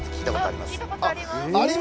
あります。